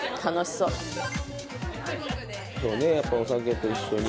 そうねやっぱお酒と一緒に。